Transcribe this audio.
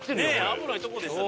危ないとこでしたね。